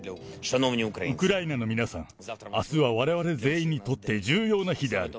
ウクライナの皆さん、あすはわれわれ全員にとって重要な日である。